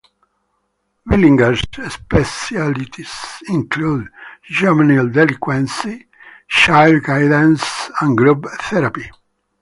Villinger's specialities included juvenile delinquency, child guidance and group therapy.